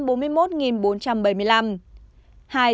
điều trị khỏi tám trăm bốn mươi một bốn trăm bảy mươi năm